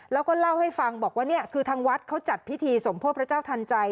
แล้วก็เล่าให้ฟังบอกว่าเนี่ยคือทางวัดเขาจัดพิธีสมโพธิพระเจ้าทันใจ